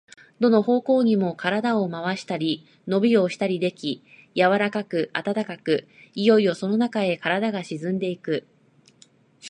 どの方向にも身体を廻したり、のびをしたりでき、柔かく暖かく、いよいよそのなかへ身体が沈んでいく。